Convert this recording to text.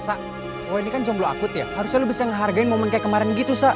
oh ini kan jomblo akut ya harusnya lo bisa ngehargai momen kayak kemarin gitu sah